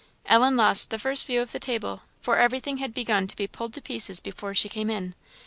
Ellen lost the first view of the table, for everything had begun to be pulled to pieces before she came in.